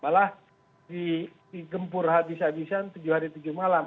malah di gempur abis abisan tujuh hari tujuh malam